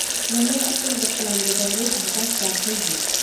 لومړی اصل د پلانګذارۍ اهداف ټاکل دي.